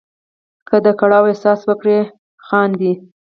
که د کړاو احساس وکړم خاندې.